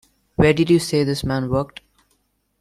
Where did you say this man worked?